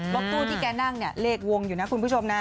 คู่ที่แกนั่งเนี่ยเลขวงอยู่นะคุณผู้ชมนะ